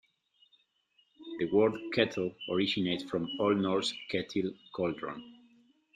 The word "kettle" originates from Old Norse "ketill" "cauldron".